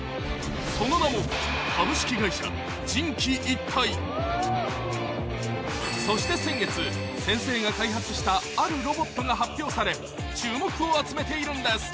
その名もそして先月先生が開発したあるロボットが発表され注目を集めているんです